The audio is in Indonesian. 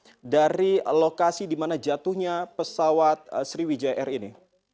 apakah berada di antara lokasi di mana jatuhnya pesawat sriwijaya air ini